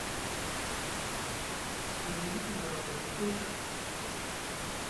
Mayni ɗif na walani kay Ɵa.